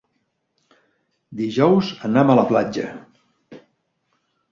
Dijous anam a la platja.